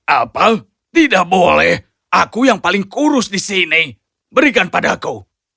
apa tidak boleh aku yang paling kurus di sini berikan padaku